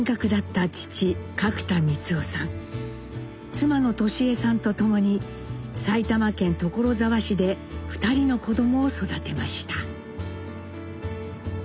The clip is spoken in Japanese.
妻の智江さんとともに埼玉県所沢市で２人の子供を育てました。